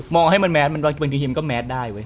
มองให้มันแมสบางทีมันก็แมสได้